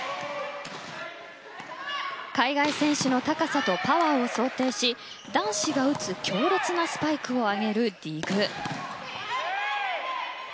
海外選手の高さとパワーを想定し男子が打つ強烈なスパイクを上げるディグ。